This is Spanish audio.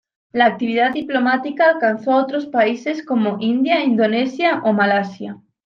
La actividad diplomática alcanzó a otros países como India, Indonesia o Malasia.